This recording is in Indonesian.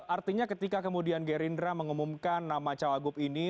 artinya ketika kemudian gerindra mengumumkan nama cowok gub ini